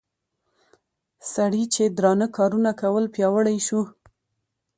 سړي چې درانه کارونه کول پياوړى شو